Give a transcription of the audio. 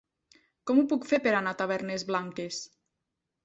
Com ho puc fer per anar a Tavernes Blanques?